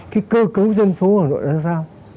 cái cơ cấu dân phố hà nội là sao